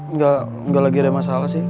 nggak lagi ada masalah sih